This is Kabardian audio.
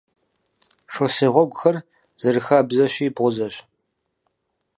Шоссе гъуэгухэр, зэрыхабзэщи, бгъузэщ.